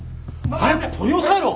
早く取り押さえろ！